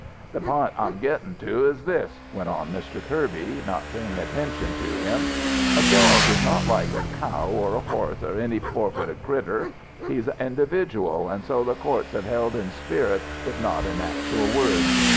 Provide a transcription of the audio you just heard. "The p'int I'm gettin' to is this," went on Mr. Kirby, not paying attention to him: "a dog is not like a cow or a horse or any four footed critter. He's a individual, an' so the courts have held in spirit if not in actual words.